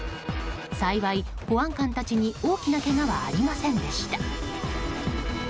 幸い、保安官たちに大きなけがはありませんでした。